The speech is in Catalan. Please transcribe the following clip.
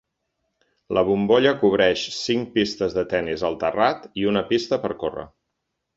"La bombolla" cobreix cinc pistes de tennis al terrat i una pista per córrer.